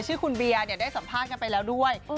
ชื่อคุณเบียร์ได้สัมภาษณ์กันไปแล้วด้วย